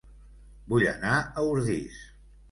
Vull anar a Ordis